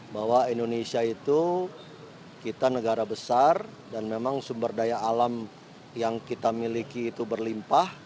bahwa indonesia itu kita negara besar dan memang sumber daya alam yang kita miliki itu berlimpah